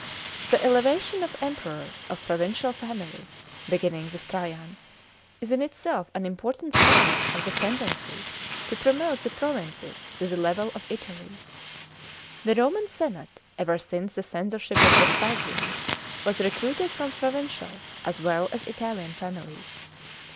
The elevation of Emperors of provincial family — beginning with Trajan — is in itself an im portant sign of the ten iency to |>rora«.te the provinces to the level of Italy. The Roman semte, ever since the censorship ©f Vespasiau> was recruited from provincial, as well as Italian families.